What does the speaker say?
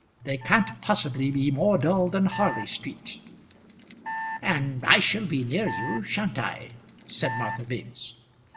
They can't possibly be more dull than Harley Street." "And I shall be near you; sha'n't I?" said Martha Biggs.